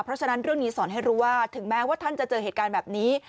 เพราะฉะนั้นเรื่องนี้สอนให้รู้ว่าถึงแม้ว่าท่านจะเจอเหตุการณ์แบบนี้